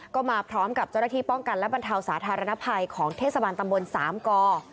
ก็มาพร้อมกับเจ้าหน้าที่ป้องกันและบรรเทาสาธารณภัยของเทศบาลตำบลสามก